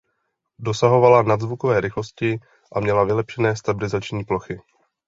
Dosahovala nadzvukové rychlosti a měla vylepšené stabilizační plochy.